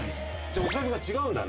お財布が違うんだね。